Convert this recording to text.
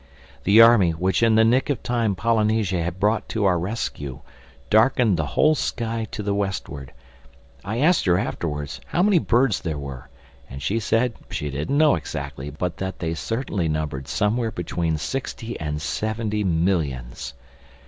The army, which in the nick of time Polynesia had brought to our rescue, darkened the whole sky to the westward. I asked her afterwards, how many birds there were; and she said she didn't know exactly but that they certainly numbered somewhere between sixty and seventy millions.